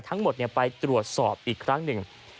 ทั้งหมดไปตรวจสอบอีกครั้งหนึ่ง